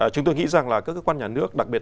chúng tôi nghĩ rằng là các cơ quan nhà nước đặc biệt